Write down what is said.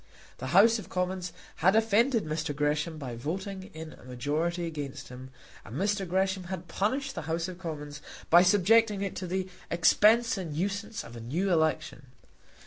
The House of Commons had offended Mr. Gresham by voting in a majority against him, and Mr. Gresham had punished the House of Commons by subjecting it to the expense and nuisance of a new election.